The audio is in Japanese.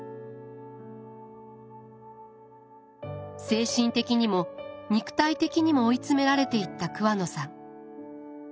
精神的にも肉体的にも追い詰められていった桑野さん。